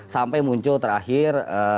sampai muncul terakhir